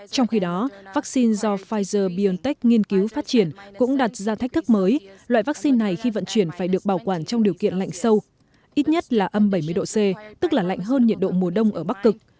trong khi đó vaccine do pfizer biontech nghiên cứu phát triển cũng đặt ra thách thức mới loại vaccine này khi vận chuyển phải được bảo quản trong điều kiện lạnh sâu ít nhất là âm bảy mươi độ c tức là lạnh hơn nhiệt độ mùa đông ở bắc cực